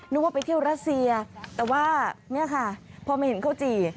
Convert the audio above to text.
ว่าไปเที่ยวรัสเซียแต่ว่าเนี่ยค่ะพอมาเห็นข้าวจี่